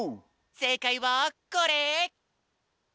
せいかいはこれ！